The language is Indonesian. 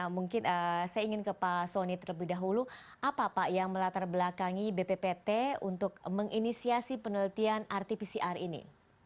mungkin saya ingin ke pak soni terlebih dahulu apa pak yang melatar belakangi bppt untuk menginisiasi penelitian rt pcr ini